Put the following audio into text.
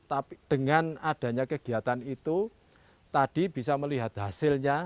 tapi dengan adanya kegiatan itu tadi bisa melihat hasilnya